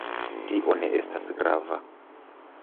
Tio ne estas grava.